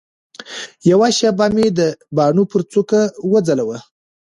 یوه شېبه مي د باڼو پر څوکه وځلوه